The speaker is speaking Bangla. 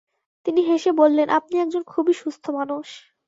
তিনি হেসে বললেন, আপনি এক জন খুবই সুস্থ মানুষ।